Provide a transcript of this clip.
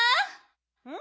うん？